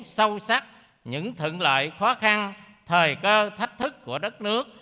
sâu sắc những thượng lợi khó khăn thời cơ thách thức của đất nước